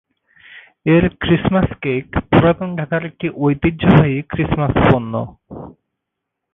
এর Christmas cake পুরাতন ঢাকার একটি ঐতিহ্যবাহী ক্রিসমাস পণ্য।